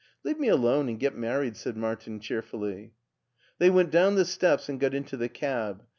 "Leave me alone and get married,'' said Martin cheerfully. They went down the steps and got into the cab.